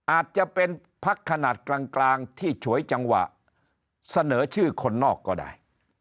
อาจจะเป็นพักขนาดกลางที่ฉวยจังหวะเสนอชื่อคนนอกก็ได้